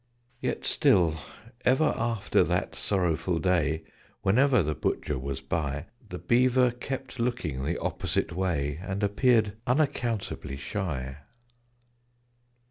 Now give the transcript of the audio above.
Yet still, ever after that sorrowful day, Whenever the Butcher was by, The Beaver kept looking the opposite way, And appeared unaccountably shy.